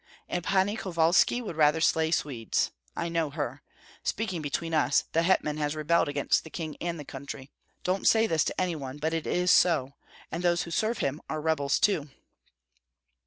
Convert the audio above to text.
"And Pani Kovalski would rather slay Swedes; I know her. Speaking between us, the hetman has rebelled against the king and the country. Don't say this to any one, but it is so; and those who serve him are rebels too."